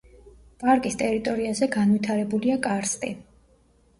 პარკის ტერიტორიაზე განვითარებულია კარსტი.